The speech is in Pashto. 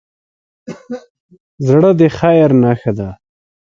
زړه د خیر نښه ده.